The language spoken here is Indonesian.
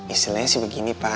istilahnya sih begini pa